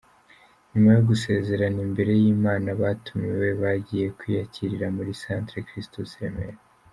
Nyuma yo gusezerana imbere y’Imana abatumiwe bagiye kwiyakirira kuri Centre Christus i Remera.